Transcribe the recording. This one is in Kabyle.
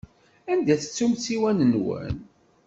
Anda i tettum ssiwan-nwen?